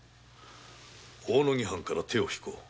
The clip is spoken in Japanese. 大野木藩から手を引こう。